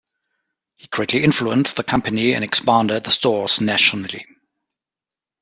He greatly influenced the company and expanded the stores nationally.